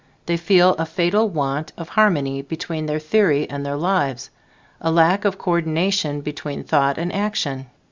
They feel a fatal want of harmony between their theory and their lives, a lack of coordination between thought and action.